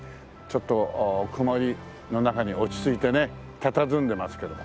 ちょっと曇りの中に落ち着いてねただずんでますけど。